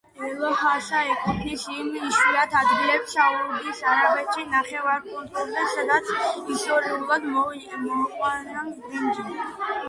ელ-ჰასა ეკუთვნის იმ იშვიათ ადგილებს საუდის არაბეთის ნახევარკუნძულზე სადაც ისტორიულად მოყავდათ ბრინჯი.